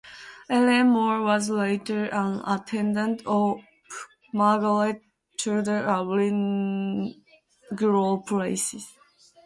Ellen More was later an attendant of Margaret Tudor at Linlithgow Palace.